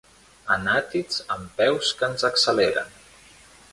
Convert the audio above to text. Anàtids amb peus que ens acceleren.